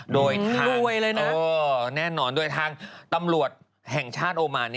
โดยทางแน่นอนโดยทางตำรวจแห่งชาติโอมาน